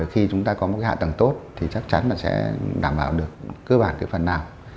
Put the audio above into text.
khi chúng ta có một cái hạ tầng tốt thì chắc chắn là sẽ đảm bảo được cơ bản cái phần nào